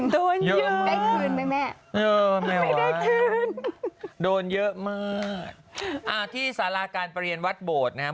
โดนเยอะแม่วะโดนเยอะมากที่สาราการประเรียนวัดโบสถ์นะครับ